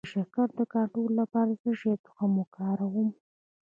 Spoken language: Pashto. د شکر د کنټرول لپاره د څه شي تخم وکاروم؟